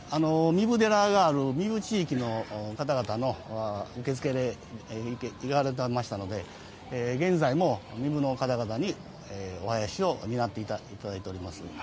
壬生寺のある地域の方々に受け継がれていましたので現在も壬生の方々に、お囃子を担っていただいております。